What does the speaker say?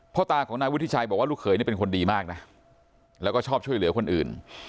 ตาของนายวุฒิชัยบอกว่าลูกเขยนี่เป็นคนดีมากนะแล้วก็ชอบช่วยเหลือคนอื่น